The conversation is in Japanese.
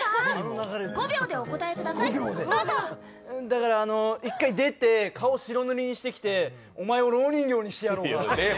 だから１回出て顔白塗りにしてきてお前をろう人形にしてやろうかって。